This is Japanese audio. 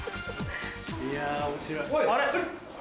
いや面白いあれ？